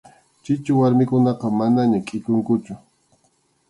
Chichu warmikunaqa manaña kʼikunkuchu.